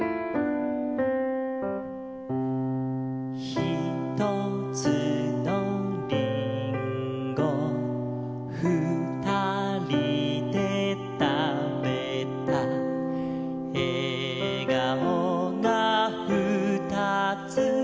「ひとつのリンゴ」「ふたりでたべた」「えがおがふたつ」